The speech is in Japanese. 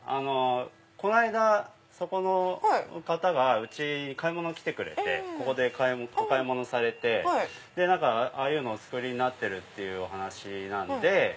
この間そこの方がうちに買い物来てくれてここでお買い物されてああいうのをお作りになってるっていうお話で。